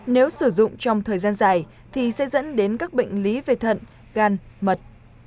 nếu sử dụng trong thời gian dài thì sẽ dẫn đến các bệnh lý về thận gan mật